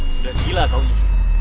sudah gila kau nyi